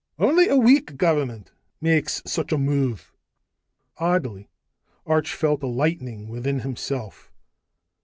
"Only a weak government makes such a move." Oddly, Arch felt a lightening within himself.